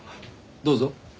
どうぞ。